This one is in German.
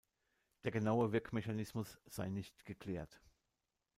Der genaue Wirkmechanismus sei nicht geklärt.